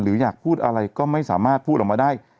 อยากพูดอะไรก็ไม่สามารถพูดออกมาได้